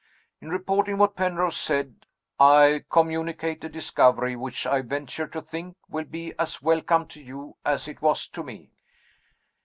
In reporting what Penrose said, I communicate a discovery, which I venture to think will be as welcome to you, as it was to me.